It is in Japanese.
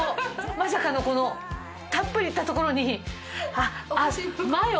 まさかのこのたっぷりいったところに。